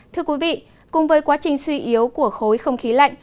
thưa quý vị cùng với quá trình suy yếu của khối không khí lạnh